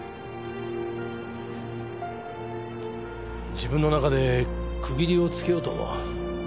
自分の中で区切りをつけようと思う。